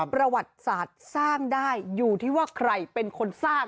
ประวัติศาสตร์สร้างได้อยู่ที่ว่าใครเป็นคนสร้าง